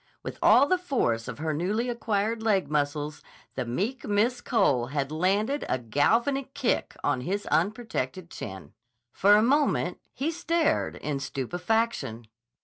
With all the force of her newly acquired leg muscles, the meek Miss Cole had landed a galvanic kick on his unprotected chin. For a moment he stared in stupefaction.